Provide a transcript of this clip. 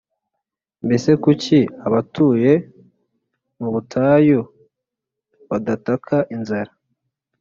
Mbese kuki abatuye mu butayu badataka inzara,